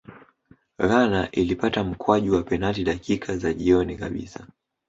ghana ilipata mkwaju wa penati dakika za jioni kabisa